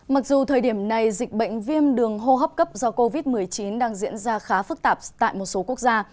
mặc dù thời điểm này dịch bệnh viêm đường hô hấp cấp do covid một mươi chín đang diễn ra khá phức tạp tại một số quốc gia